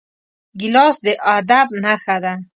ګیلاس د ادب نښه ده.